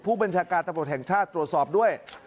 ผู้บัญชาการตำรวจแห่งชาติตรวจสอบด้วย